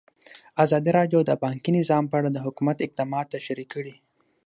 ازادي راډیو د بانکي نظام په اړه د حکومت اقدامات تشریح کړي.